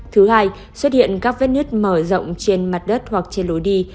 thứ hai xuất hiện các vết nứt mở rộng trên mặt đất hoặc trên lối đi